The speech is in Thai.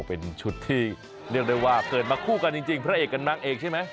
เป็นชุดที่เรียกได้ว่าเกิดมาคู่กันจริงพระเอกเป็นนางเอกใช่ไหม